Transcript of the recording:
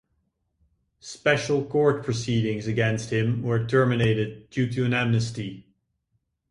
Special court proceedings against him were terminated due to an amnesty.